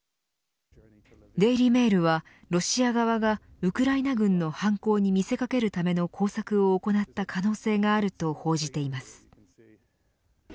デイリーメールはロシア側がウクライナ軍の犯行に見せかけるための工作を行った可能性があると報じています。